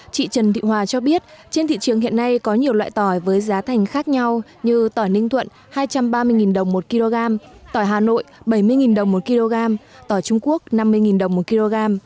chị trần thị hòa cho biết trên thị trường hiện nay có nhiều loại tỏi với giá thành khác nhau như tỏi ninh thuận hai trăm ba mươi đồng một kg tỏi hà nội bảy mươi đồng một kg tỏi trung quốc năm mươi đồng một kg